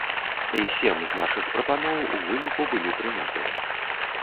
І сем з нашых прапаноў у выніку былі прынятыя.